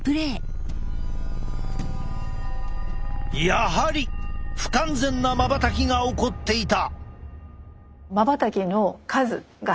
やはり不完全なまばたきが起こっていた。